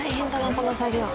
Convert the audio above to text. この作業。